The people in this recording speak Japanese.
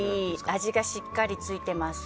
味がしっかりついています。